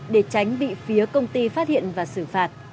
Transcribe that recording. để tránh bị phía công ty phát hiện và xử phạt